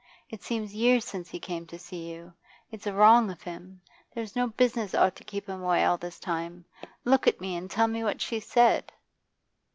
It seems years since he came to see you. It's wrong of him. There's no business ought to keep him away all this time. Look at me, and tell me what she said.